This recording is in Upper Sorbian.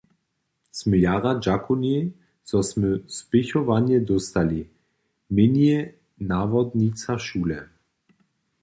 Smy jara dźakowni, zo smy spěchowanje dóstali, měni nawodnica šule.